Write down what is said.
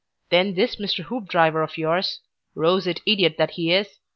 Then this Mr. Hoopdriver of yours, roseate idiot that he is!